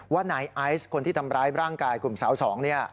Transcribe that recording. ว่านายไอซ์คนที่ทำร้ายร่างกายกลุ่มสาวสองเนี่ย